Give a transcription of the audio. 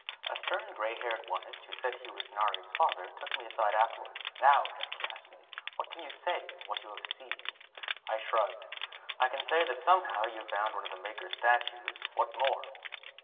A stern gray haired Onist who said he was Nari's father took me aside afterwards. "Now, Jak," he asked me, "what can you say of what you have seen?" I shrugged. "I can say that somehow you've found one of the Maker statues. What more?"